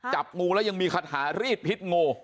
จับงูแล้วยังมีคาถารีดพิษงู